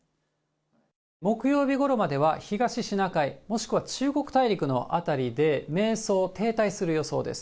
木曜日ごろまでは東シナ海、もしくは中国大陸の辺りで迷走、停滞する予想です。